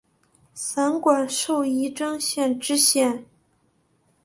散馆授仪征县知县。